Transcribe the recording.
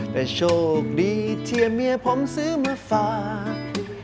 แต่โชคดีที่เมียผมซื้อมาฝาก